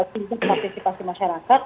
pindah ke partisipasi masyarakat